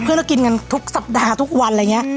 เรากินกันทุกสัปดาห์ทุกวันอะไรอย่างนี้